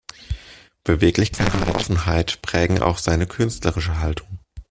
Beweglichkeit und Offenheit prägen auch seine künstlerische Haltung.